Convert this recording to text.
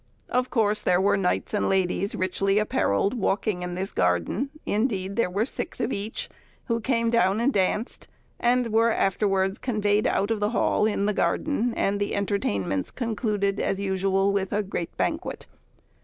Of course there were knights and ladies, richly apparelled, walking in this garden; there were indeed six of each, who came down and danced, and were afterwards conveyed out of the hall in the garden, and the entertainments concluded as usual with a great banquet.